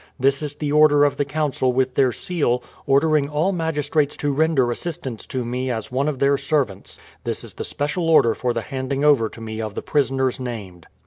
This is the order of the Council with their seal, ordering all magistrates to render assistance to me as one of their servants. This is the special order for the handing over to me of the prisoners named."